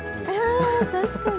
ああ確かに！